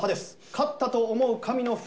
勝ったと思う神の札